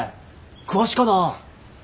詳しかな。